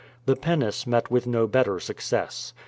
The pinnace met with no better success.